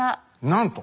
なんと！